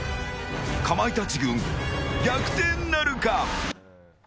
かまいたち軍、逆転なるか？